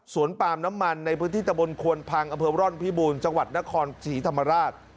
สวนปาล์มน้ำมันในพื้นที่ตะบลควรพังเอาเพราะร่อนพิบูรณ์จังหวัดนครสีธรรมาลาช